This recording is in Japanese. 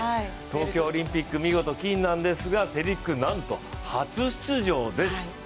東京オリンピック、見事金なんですが世陸はなんと初出場です。